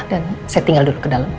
dan saya tinggal dulu ke dalam